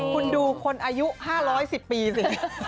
ขึ้นดูคนอายุ๕๐๐ปีสิ